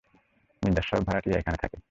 মির্জার সব ভাড়াটিয়া, এইখানে থাকে।